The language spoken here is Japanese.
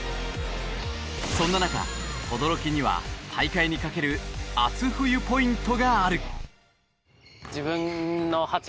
そんな中轟には大会にかける熱冬ポイントがある！